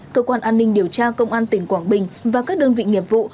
cơ quan an ninh điều tra công an tỉnh quảng bình và các đơn vị nghiệp vụ